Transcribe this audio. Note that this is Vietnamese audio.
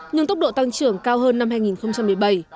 nhưng tốc độ tăng trưởng cao hơn năm hai nghìn một mươi bảy